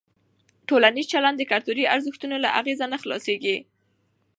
ټولنیز چلند د کلتوري ارزښتونو له اغېزه نه خلاصېږي.